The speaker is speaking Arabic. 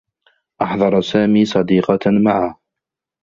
أحضر سامي صديقة معه.